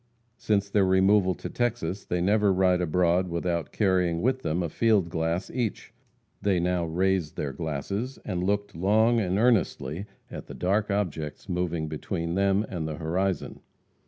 Since their removal to Texas they never ride abroad without carrying with them a field glass each. They now raised their glasses and looked long and earnestly at the dark objects moving between them and the horizon.